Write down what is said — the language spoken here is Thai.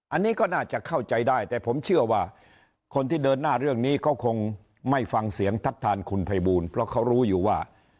อันนี้ก็น่าจะเข้าใจได้แต่ผมเชื่อว่าคนที่เดินหน้าเรื่องนี้เขาคงไม่ฟังเสียงทัศนคุณภัยบูลเพราะเขารู้อยู่ว่า